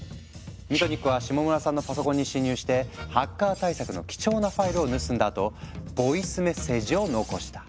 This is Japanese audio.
ミトニックは下村さんのパソコンに侵入してハッカー対策の貴重なファイルを盗んだあとボイスメッセージを残した。